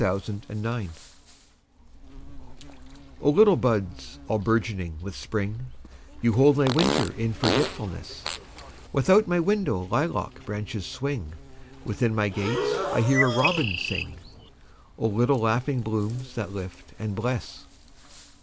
A Song in Spring O LITTLE buds all bourgeoning with Spring, You hold my winter in forgetfulness; Without my window lilac branches swing, Within my gate I hear a robin sing—O little laughing blooms that lift and bless!